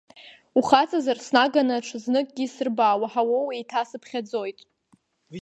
Ухаҵазар, снаганы аҽазныкгьы исырба, уаҳауоу, еиҭа сыԥхьаӡоит.